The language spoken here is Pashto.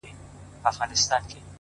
پرمختګ د دوامداره هڅو حاصل دی